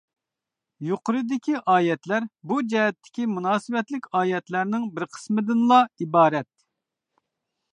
يۇقىرىدىكى ئايەتلەر بۇ جەھەتتىكى مۇناسىۋەتلىك ئايەتلەرنىڭ بىر قىسمىدىنلا ئىبارەت.